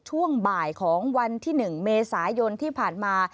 ช่วงบ่ายของวันที่๑เมษายนที่ผ่านมา